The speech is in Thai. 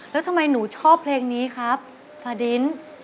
แล้วทำไมหนูชอบเพลงนี้ครับฟาดิน